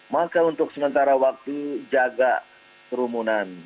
maka untuk sementara waktu jaga kerumunan